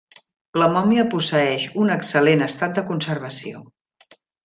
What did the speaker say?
La mòmia posseeix un excel·lent estat de conservació.